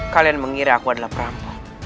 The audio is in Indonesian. kalian mengira aku adalah perampok